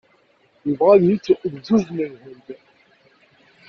Yebɣa ad yečč lǧuz n Lhend.